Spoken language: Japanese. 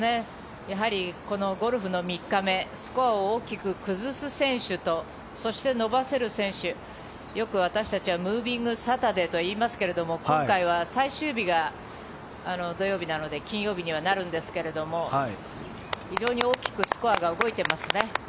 このゴルフの３日目スコアを大きく崩す選手とそして伸ばせる選手よく私たちはムービングサタデーといいますが今回は最終日が土曜日なので金曜日にはなるんですけど非常に大きくスコアが動いていますね。